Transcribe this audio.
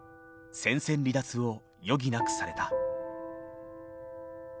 戦線離脱を余儀なくされた。